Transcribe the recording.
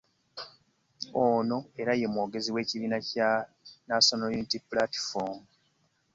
Ono era ye mwogezi w'ekibiina Kya National Unity Platform